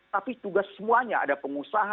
tapi tugas semuanya ada pengusaha